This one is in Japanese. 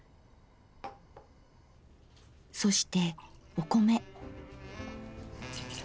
そしてお米。